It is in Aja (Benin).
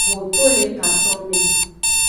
Ho to le katome.